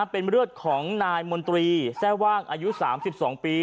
เป็นเลือดของนายมนตรีแทร่ว่างอายุ๓๒ปี